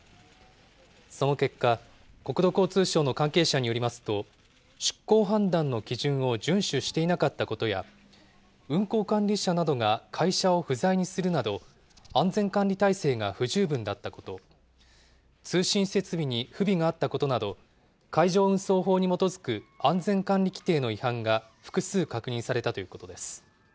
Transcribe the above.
その結果、国土交通省の関係者によりますと、出航判断の基準を順守していなかったことや、運航管理者などが会社を不在にするなど、安全管理体制が不十分だったこと、通信設備に不備があったことなど、海上運送法に基づく安全管理規程の違反が複数確認されたということです。